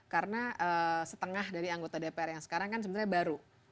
karena setengah dari anggota dpr yang sekarang kan sebenarnya baru